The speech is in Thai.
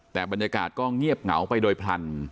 แต่บรรยากาศก็เงียบเหงาไปโดยพลัน